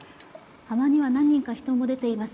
浜には何人か人も出ています。